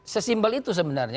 sesimbel itu sebenarnya